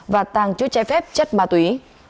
và tàng chứa che phép chất ma túy